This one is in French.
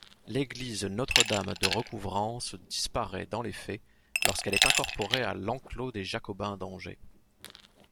L'église Notre-Dame-de-Recouvrance disparaît dans les faits lorsqu'elle est incorporée à l'enclos des Jacobins d'Angers.